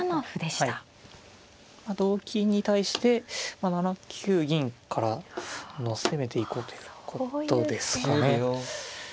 同金に対して７九銀から攻めていこうということですかね。